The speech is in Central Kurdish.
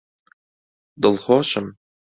دڵخۆشم!